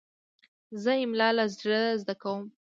زه املا له زړه زده کوم.